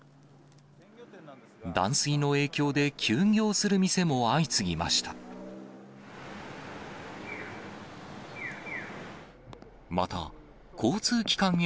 断水の影響で休業する店も相次ぎました。